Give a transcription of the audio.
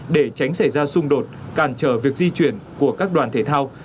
để tránh xảy ra xung đột cản trở việc di chuyển của các đoàn thể thao